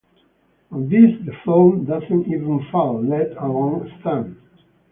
On this the film doesn't even fall, let alone stand.